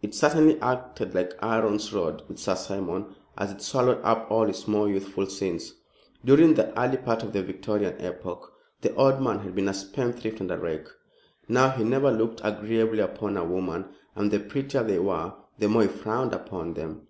It certainly acted like Aaron's rod with Sir Simon, as it swallowed up all his more youthful sins. During the early part of the Victorian epoch, the old man had been a spendthrift and a rake. Now, he never looked agreeably upon a woman, and the prettier they were the more he frowned upon them.